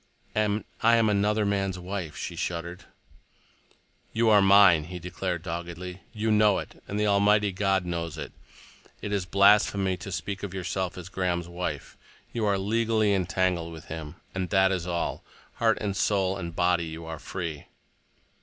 "And I am another man's wife," she shuddered. "You are mine," he declared doggedly. "You know it, and the Almighty God knows it. It is blasphemy to speak of yourself as Graham's wife. You are legally entangled with him, and that is all. Heart and soul and body you are free."